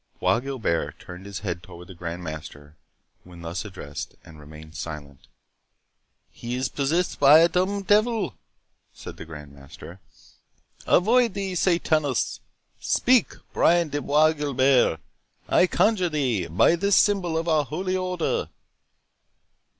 Bois Guilbert turned his head towards the Grand Master when thus addressed, and remained silent. "He is possessed by a dumb devil," said the Grand Master. "Avoid thee, Sathanus!—Speak, Brian de Bois Guilbert, I conjure thee, by this symbol of our Holy Order."